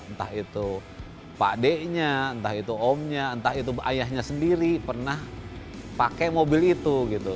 entah itu pak d nya entah itu omnya entah itu ayahnya sendiri pernah pakai mobil itu gitu